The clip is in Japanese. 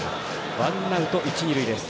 ワンアウト、一、二塁です。